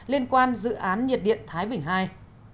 liên quan dự án nhiệt điện thái bình ii